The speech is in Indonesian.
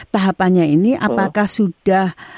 tahapannya ini apakah sudah